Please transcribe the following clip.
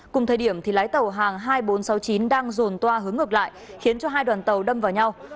cùng thời điểm thì lái tàu hàng hai nghìn bốn trăm sáu mươi chín đang dồn toa hướng ngược lại khiến cho hai đoàn tàu đâm vào nhau